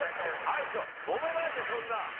隊長もめないでそんな。